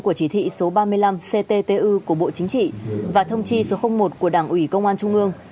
của chỉ thị số ba mươi năm cttu của bộ chính trị và thông chi số một của đảng ủy công an trung ương